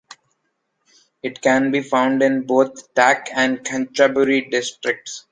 It can be found in both Tak and Kanchanaburi districts.